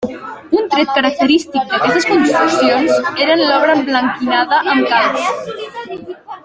Un tret característic d'aquestes construccions eren l'obra emblanquinada amb calç.